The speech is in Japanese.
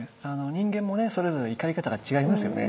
人間もねそれぞれ怒り方が違いますよね。